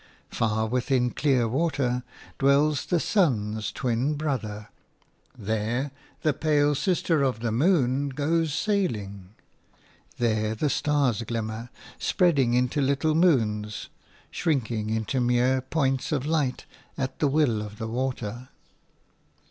Far within clear water dwells the sun's twin brother; there the pale sister of the moon goes sailing; there the stars glimmer, spreading into little moons, shrinking into mere points of light at the will of the water.